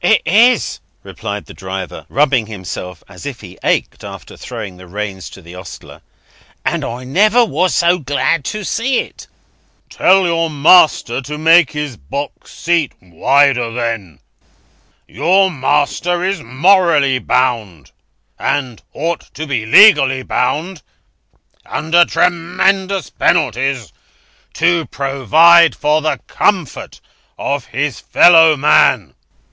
"It is," replied the driver, rubbing himself as if he ached, after throwing the reins to the ostler. "And I never was so glad to see it." "Tell your master to make his box seat wider, then," returned the passenger. "Your master is morally bound—and ought to be legally, under ruinous penalties—to provide for the comfort of his fellow man."